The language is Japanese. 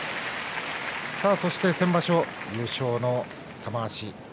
さあ、そして先場所優勝の玉鷲。